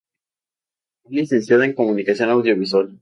Es licenciada en comunicación audiovisual.